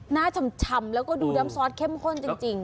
หน้าชำแล้วก็ดูน้ำซอสเข้มข้นจริง